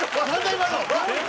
今の。